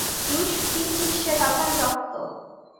রুশ তিন হিস্যে তাতার রক্ত।